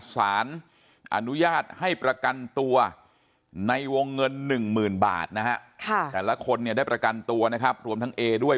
สารอนุญาตให้ประกันตัวในวงเงิน๑๐๐๐บาทนะฮะแต่ละคนเนี่ยได้ประกันตัวนะครับรวมทั้งเอด้วย